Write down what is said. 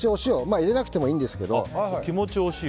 入れなくてもいいんですけど。